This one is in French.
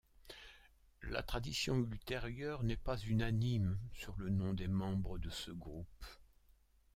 La tradition ultérieure n'est pas unanime sur le nom des membres de ce groupe.